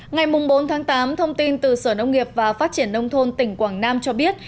ngày bốn tháng tám thông tin từ sở nông nghiệp và phát triển nông thôn tỉnh quảng nam cho biết